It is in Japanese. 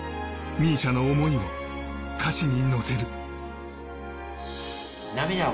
ＭＩＳＩＡの想いを歌詞にのせる。